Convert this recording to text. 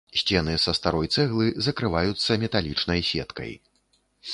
Сцены са старой цэглы закрываюцца металічнай сеткай.